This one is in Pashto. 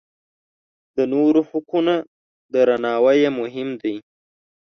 د نورو حقونه درناوی یې مهم دی.